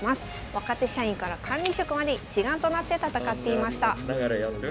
若手社員から管理職まで一丸となって戦っていました。